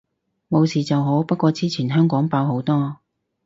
冇事就好，不過之前香港爆好多